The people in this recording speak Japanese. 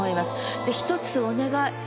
で１つお願い。